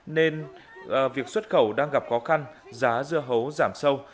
nên việc xuất khẩu đang gặp khó khăn giá dưa hấu giảm sâu